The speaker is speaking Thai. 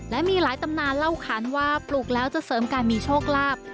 และมีหลายตำนานเล่าขานว่าปลูกแล้วจะเสริมการมีโชคลาภ